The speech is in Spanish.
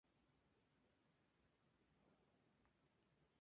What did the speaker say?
Todos los animales tienen motilidad, aunque sea solo en algunas etapas de su vida.